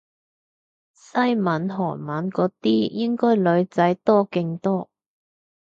西文韓文嗰啲應該女仔多勁多